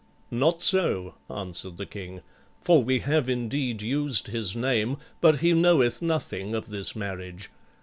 "Not so," answered the king, "for we have indeed used his name, but he knoweth nothing of this marriage.